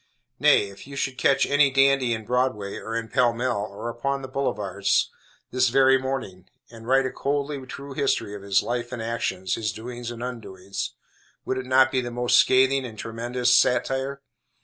Nay, if you should catch any dandy in Broadway, or in Pall Mall, or upon the Boulevards, this very morning, and write a coldly true history of his life and actions, his doings and undoings, would it not be the most scathing and tremendous satire?